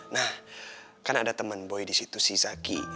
nah kan ada temen boy di situ si zaky